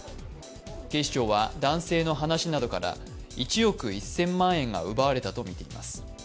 警視庁は男性の話などから、１億１０００万円が奪われたとみています。